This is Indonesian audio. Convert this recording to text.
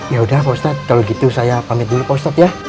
ya udah pak ustadz kalau gitu saya pamit dulu pak ustadz ya